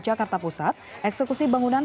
jakarta pusat eksekusi bangunan